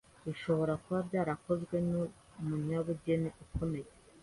bishobora kuba byarakozwe n’Umunyabugeni Ukomeye